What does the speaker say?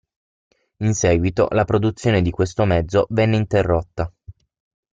In seguito la produzione di questo mezzo venne interrotta.